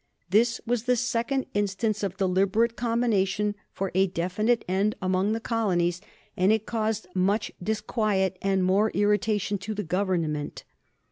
This was the second instance of deliberate combination for a definite end among the colonies, and it caused much disquiet and more irritation to the Government.